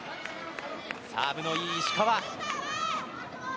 サーブのいい石川。